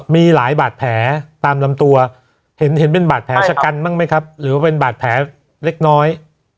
มีหลายบาดแผลตามลำตัวเห็นเป็นบาดแผลชะกันบ้างไหมครับหรือเป็นบาดแผลเล็กน้อย